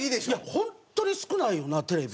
本当に少ないよなテレビ。